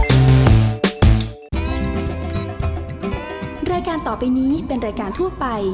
แม่บ้านประจำบ้าน